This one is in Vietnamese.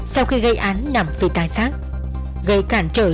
sau khi gây án nằm phía tài sát